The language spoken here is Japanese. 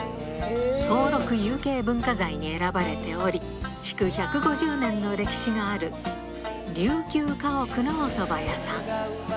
登録有形文化財に選ばれており、築１５０年の歴史がある琉球家屋のおそば屋さん。